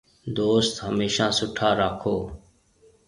دوست هميشا سُٺا راکون۔